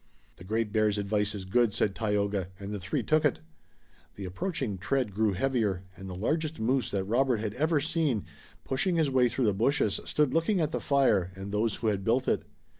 "The Great Bear's advice is good," said Tayoga, and the three took it. The approaching tread grew heavier, and the largest moose that Robert had ever seen, pushing his way through the bushes, stood looking at the fire, and those who had built it.